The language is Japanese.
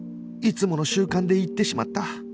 いつもの習慣で言ってしまった